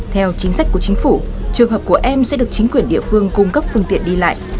theo chính sách của chính phủ trường hợp của em sẽ được chính quyền địa phương cung cấp phương tiện đi lại